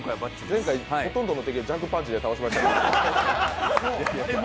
前回ほとんどの敵をジャンプパンチで倒した。